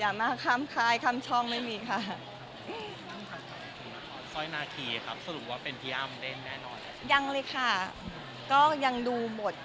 หมดหมดมาอ่านแค่ตอนเดียวค่ะก็มีดูอยู่